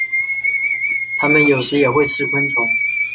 它们有时也会吃昆虫。